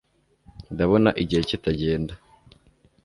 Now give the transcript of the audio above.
ndabona igihe kitagenda